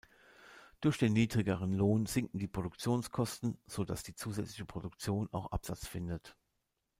Durch den niedrigeren Lohn sinken die Produktionskosten, sodass die zusätzliche Produktion auch Absatz findet.